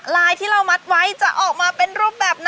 ลายที่เรามัดไว้จะออกมาเป็นรูปแบบไหน